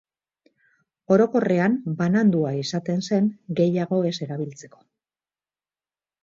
Orokorrean banandua izaten zen gehiago ez erabiltzeko.